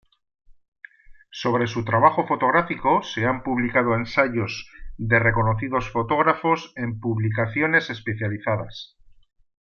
Sobre su trabajo fotográfico, se han publicado ensayos de reconocidos fotógrafos en publicaciones especializadas.